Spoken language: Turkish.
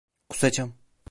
Kusacağım.